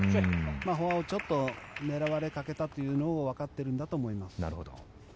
フォアをちょっと狙われかけたというのをわかっているんだと思います。